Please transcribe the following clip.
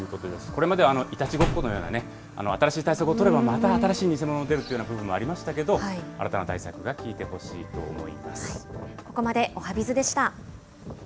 これまでいたちごっこのような、新しい対策を取れば、また新しい偽物が出るという部分もありましたけど、新たな対策が効いてほしいと思います。